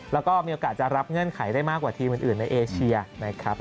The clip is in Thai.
แล้วก็มีโอกาสจะรับเงื่อนไขได้มากกว่าทีมอื่นในเอเชียนะครับ